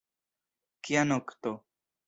Kia nokto!